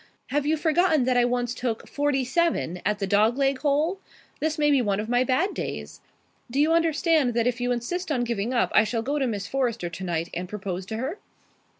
Have you forgotten that I once took forty seven at the dog leg hole? This may be one of my bad days. Do you understand that if you insist on giving up I shall go to Miss Forrester tonight and propose to her?"